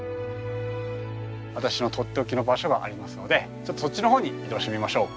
私のとっておきの場所がありますのでそっちの方に移動してみましょう。